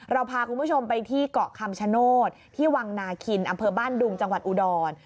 เราพาคุณผู้ชมไปที่เกาะคำชโนธที่วังนาคินอำเภอบ้านดุงจังหวัดอุดร